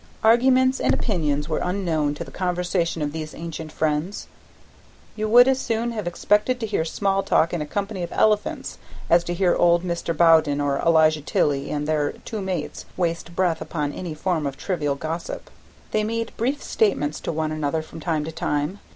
Arguments and opinions were unknown to the conversation of these ancient friends; you would as soon have expected to hear small talk in a company of elephants as to hear old Mr. Bowden or Elijah Tilley and their two mates waste breath upon any form of trivial gossip. They made brief statements to one another from time to time.